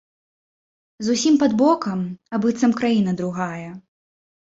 Зусім пад бокам, а быццам краіна другая.